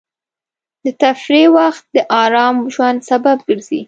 د تفریح وخت د ارام ژوند سبب ګرځي.